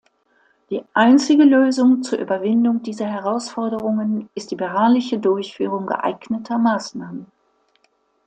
Die einzige Lösung zur Überwindung dieser Herausforderungen ist die beharrliche Durchführung geeigneter Maßnahmen.